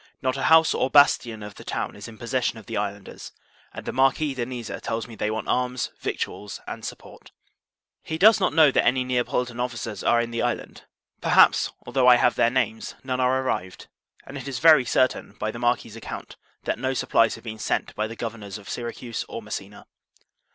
Not a house or bastion of the town is in possession of the islanders; and the Marquis de Niza tells me, they want arms, victuals, and support. He does not know, that any Neapolitan officers are in the island; perhaps, although I have their names, none are arrived; and it is very certain, by the Marquis's account, that no supplies have been sent by the governors of Syracuse or Messina.